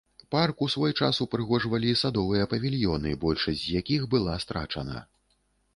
Парк у свой час упрыгожвалі садовыя павільёны, большасць з якіх была страчана.